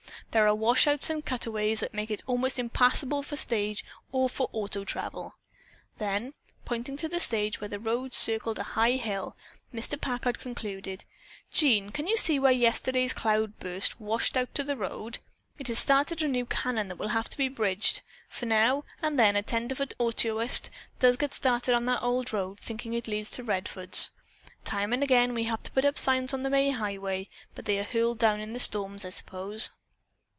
There are washouts and cutways that make it almost impassable for stage or for auto travel." Then, pointing to the place where the road circled a high hill, Mr. Packard concluded: "Jean, can you see where yesterday's cloudburst washed out the road? It has started a new canon that will have to be bridged, for now and then a tenderfoot autoist does get started on that old road, thinking that it leads to Redfords. Time and again we have put up signs on the main highway, but they are hurled down in the storms, I suppose."